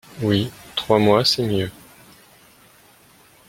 Oui, trois mois, c’est mieux.